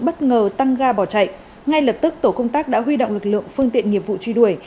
bất ngờ tăng ga bỏ chạy ngay lập tức tổ công tác đã huy động lực lượng phương tiện nghiệp vụ truy đuổi